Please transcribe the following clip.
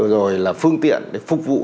rồi là phương tiện để phục vụ